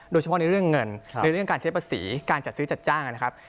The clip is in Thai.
โดยเฉพาะในเรื่องเงินในเรื่องการใช้ภาษีการจัดซื้อจัดจ้างนะครับ